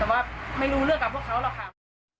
แต่ว่าไม่รู้เรื่องกับพวกเขาหรอกค่ะ